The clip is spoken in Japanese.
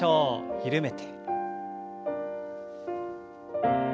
緩めて。